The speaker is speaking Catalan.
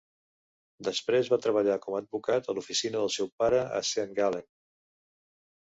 Després va treballar com a advocat a l'oficina del seu pare a Saint Gallen.